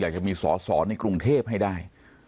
อยากจะมีสอสอในกรุงเทพให้ได้